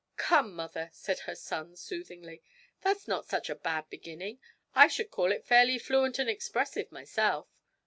'Come, mother,' said her son soothingly, 'that's not such a bad beginning; I should call it fairly fluent and expressive, myself.'